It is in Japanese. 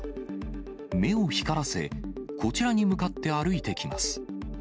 目を光らせ、こちらに向かって歩いてきます。